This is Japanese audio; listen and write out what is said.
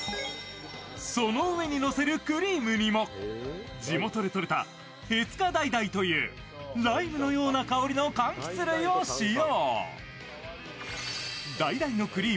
その上にのせるクリームにも地元でとれた辺塚だいだいというライムのような香りのかんきつ類を使用。